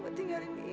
mau tinggalin ibu